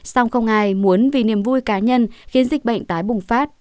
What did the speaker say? song không ai muốn vì niềm vui cá nhân khiến dịch bệnh tái bùng phát